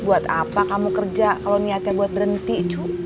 buat apa kamu kerja kalau niatnya buat berhenti cuk